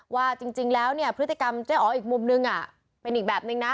ว่าจริงแล้วเนี่ยพฤติกรรมเจ๊อ๋ออีกมุมนึงเป็นอีกแบบนึงนะ